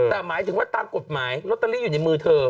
แต่หมายถึงว่าตามกฎหมายลอตเตอรี่อยู่ในมือเธอ